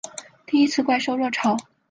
第一次怪兽热潮